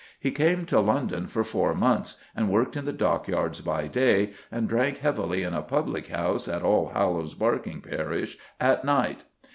He came to London for four months and worked in the dockyards by day and drank heavily in a public house in Allhallows Barking parish at night.